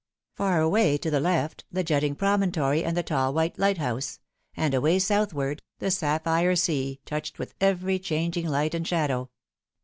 Far away to the left, the jutting promontory and the tall white lighthouse ; and away southward, the sapphire sea, touched with every changing light and shadow.